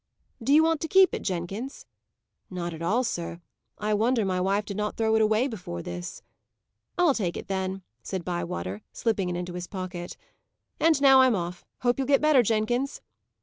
"Do you want to keep it, Jenkins?" "Not at all, sir. I wonder my wife did not throw it away before this." "I'll take it, then," said Bywater, slipping it into his pocket. "And now I'm off. Hope you'll get better, Jenkins."